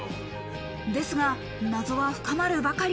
ですが、謎は深まるばかり。